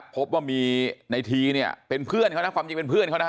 พบว่ามีในทีเนี่ยเป็นเพื่อนเขานะความจริงเป็นเพื่อนเขานะฮะ